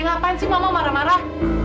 ngapain sih mama marah marah